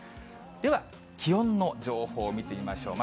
では気温の情報見てみましょう。